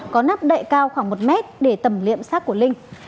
có nắp đệ cao khoảng một mét để tẩm liệm sát của linh